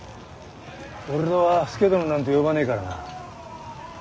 俺は佐殿なんて呼ばねえからな。